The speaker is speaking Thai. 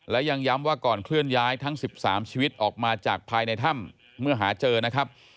และยังย้ำว่าก่อนเคลื่อนย้ายทั้ง๑๓ชีวิตออกมาจากภายในถ้ำเมื่อหาเจอนะครับ